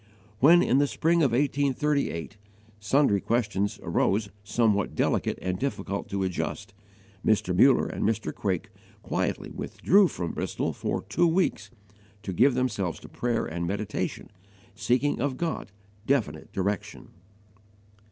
When, in the spring of 1838, sundry questions arose somewhat delicate and difficult to adjust, Mr. Muller and Mr. Craik quietly withdrew from Bristol for two weeks, to give themselves to prayer and meditation, seeking of God definite direction.